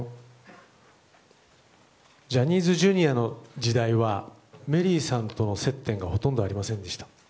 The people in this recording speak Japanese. ジャニーズＪｒ．の時代はメリーさんとの接点がほとんどありませんでした。